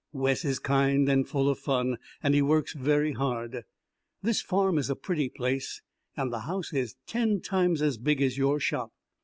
Wes is kind and full of fun, and he works very hard. This farm is a pretty place, and the house is ten times as big as your shop.